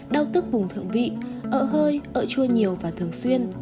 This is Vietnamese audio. đau tức vùng thượng vị ợ hơi ợ chua nhiều và thường xuyên